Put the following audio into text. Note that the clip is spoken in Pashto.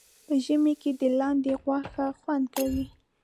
په ژمي کې د لاندي غوښه خوند کوي